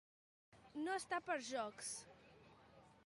No estar per jocs.